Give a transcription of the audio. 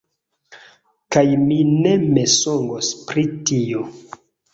Kaj mi ne mensogos pri tio!